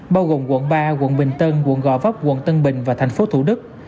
bao gồm quận ba quận bình tân quận gò vấp quận tân bình và thành phố thủ đức